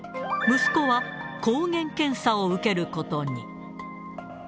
息子は抗原検査を受けることに。